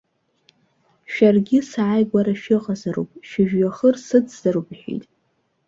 Шәаргьы сааигәара шәыҟазароуп, шәыжәҩахыр сыцзароуп иҳәеит.